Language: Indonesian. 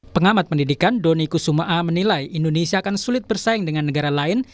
pengamat pendidikan doni kusumaa menilai indonesia akan sulit bersaing dengan negara lain